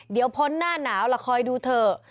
เดี๋ยวพ้นหน้าหนาวล่ะคอยดูเถอะ